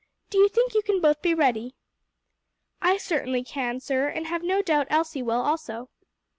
Do you think you can both be ready?" "I certainly can, sir, and have no doubt Elsie will also."